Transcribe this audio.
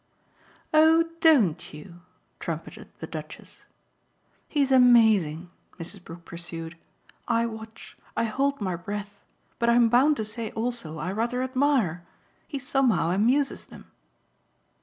"Oh DON'T you?" trumpeted the Duchess. "He's amazing," Mrs. Brook pursued. "I watch I hold my breath. But I'm bound to say also I rather admire. He somehow amuses them."